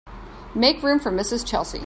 Make room for Mrs. Chelsea.